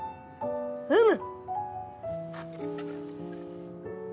うむ！